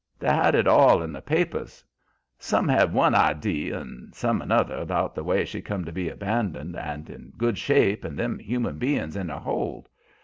They had it all in the papers. Some had one idee and some another about the way she come to be abandoned, all in good shape and them human bein's in her hold.